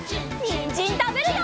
にんじんたべるよ！